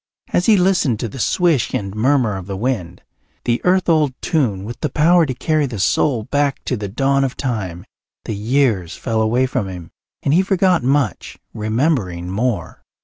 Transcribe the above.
As he listened to the swish and murmur of the wind, the earth old tune with the power to carry the soul back to the dawn of time, the years fell away from him and he forgot much, remembering more.